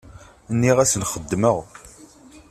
Nniɣ-asen xeddmeɣ.